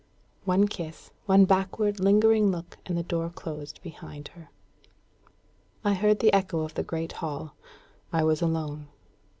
One kiss, one backward lingering look, and the door closed behind her. I heard the echo of the great hall. I was alone.